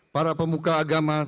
para pemuka agama